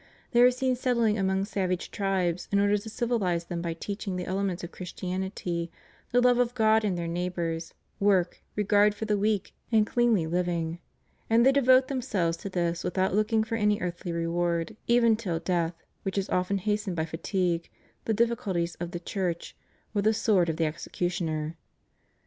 They are seen settling amongst savage tribes in order to civihze them by teaching the elements of Christianity, the love of God and their neighbors, work, regard for the weak, and cleanly living; and they devote themselves to this without looking for any earthly reward even till death, which is often hastened by fatigue, the difficulties of the Church, or the sword of the executioner.